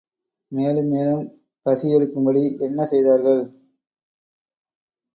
மேலும் மேலும் பசி எடுக்கும்படி என்ன செய்தார்கள்?